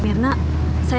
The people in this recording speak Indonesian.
ini anak isteri